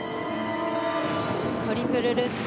トリプルルッツ。